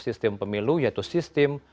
sistem pemilu yaitu sistem